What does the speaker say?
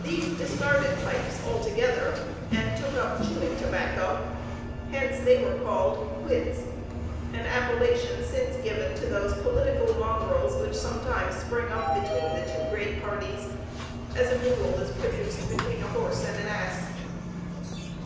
These discarded pipes altogether, and took up chewing tobacco; hence they were called Quids; an appellation since given to those political mongrels which sometimes spring up between two great parties, as a mule is produced between a horse and an ass.